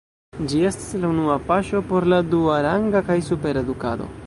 Ĝi estas la unua paŝo por la duaranga kaj supera edukado.